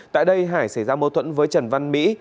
tại đây hải xảy ra mâu thuẫn với trần văn mỹ